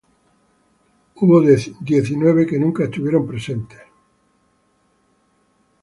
Hubo diecinueve quienes nunca estuvieron presentes.